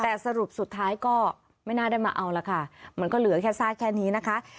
แต่สรุปสุดท้ายก็ไม่น่าได้มาเอาละค่ะมันก็เหลือแค่ซากแค่นี้นะคะ